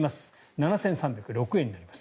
７３０６円になります。